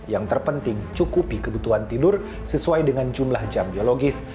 yang terpenting cukupi kebutuhan tidur sesuai dengan jumlah jam biologis